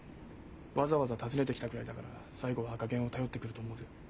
わざわざ訪ねてきたぐらいだから最後は赤ゲンを頼ってくると思うぜ。